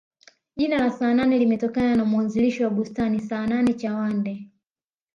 jina la saanane limetokana na muanzilishi wa bustani saanane chawande